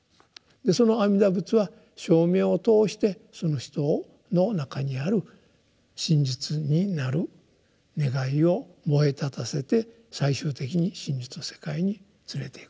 その阿弥陀仏は称名を通してその人の中にある真実になる願いを燃え立たせて最終的に真実の世界に連れていくと。